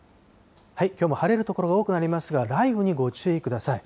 きょうも晴れる所が多くなりますが、雷雨にご注意ください。